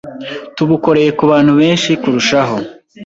tubukoreye ku bantu benshi kurushaho